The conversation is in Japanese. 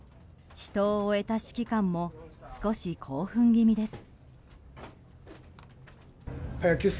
死闘を終えた指揮官も少し興奮気味です。